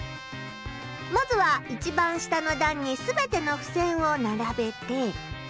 まずは一番下の段に全てのふせんを並べて。